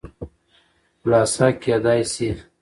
خلاصه کېداى شي